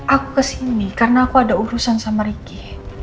aku kesini karena aku ada urusan sama ricky